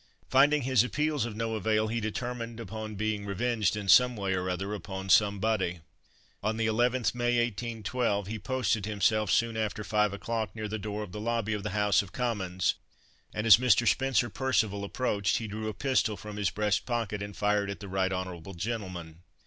Finding his appeals of no avail he determined upon being revenged in some way or other upon somebody. On the 11th May, 1812, he posted himself, soon after five o'clock, near the door of the lobby of the House of Commons, and as Mr. Spencer Percival approached, he drew a pistol from his breast pocket, and fired at the right honourable gentleman.